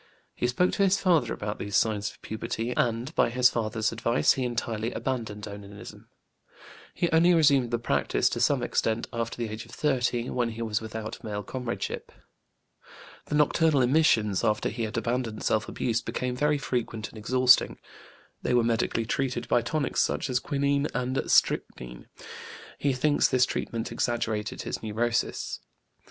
He spoke to his father about these signs of puberty, and by his father's advice he entirely abandoned onanism; he only resumed the practice, to some extent, after the age of 30, when he was without male comradeship. The nocturnal emissions, after he had abandoned self abuse, became very frequent and exhausting. They were medically treated by tonics such as quinine and strychnine. He thinks this treatment exaggerated his neurosis.